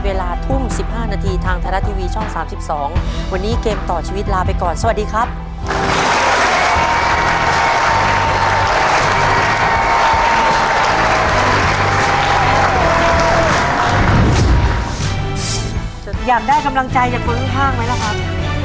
อยากได้กำลังใจจากคนข้างไหมล่ะครับ